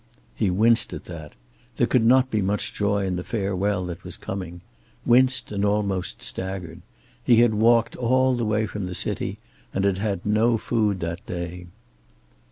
He winced at that. There could not be much joy in the farewell that was coming. Winced, and almost staggered. He had walked all the way from the city, and he had had no food that day.